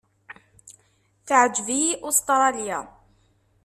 Teɛjeb-iyi Ustṛalya.